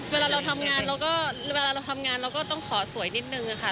เวลาเราทำงานเราก็ต้องขอสวยนิดหนึ่งค่ะ